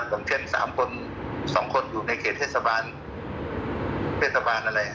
ต้องไประบบการเกิดเข้าทะบาล